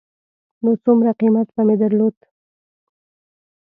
نو څومره قېمت به مې درلود.